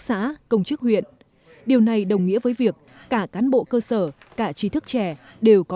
và trung ương đặc biệt đối với cán bộ người dân tộc thiểu số